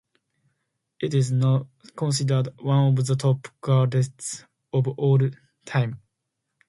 It is now considered one of the top gadgets of all time.